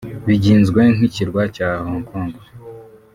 bigizwe n’Ikirwa cya Hong Kong